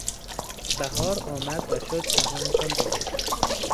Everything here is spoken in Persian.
بهار آمد و شد جهان چون بهشت.